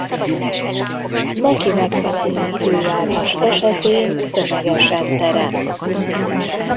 Neki megfelelő időjárás esetén tömegesen terem.